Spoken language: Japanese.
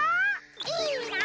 いいな！